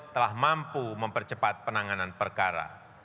telah mampu mempercepat penanganan perkara